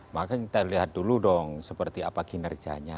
maka kita lihat dulu dong seperti apa kinerjanya